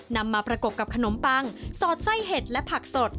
นำมาประกบกับขนมปังสอดไส้เห็ดและผักสด